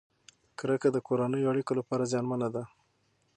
کرکه د کورنیو اړیکو لپاره زیانمنه ده.